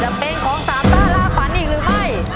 จะเป็นของสามซ่าล่าฝันอีกหรือไม่